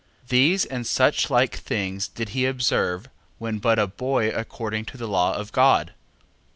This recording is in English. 1:8. These and such like things did he observe when but a boy according to the law of God.